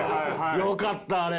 よかったあれ。